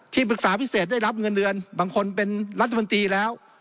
ปรึกษาพิเศษได้รับเงินเดือนบางคนเป็นรัฐมนตรีแล้ว